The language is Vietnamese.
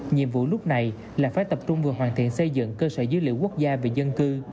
nhiệm vụ lúc này là phải tập trung vừa hoàn thiện xây dựng cơ sở dữ liệu quốc gia về dân cư